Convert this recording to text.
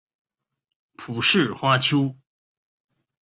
蒲氏花楸